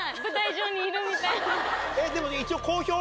でも一応。